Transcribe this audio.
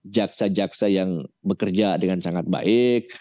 jaksa jaksa yang bekerja dengan sangat baik